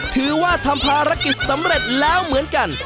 ถือว่าทำภารกิจสำเร็จแล้วเหมือนกัน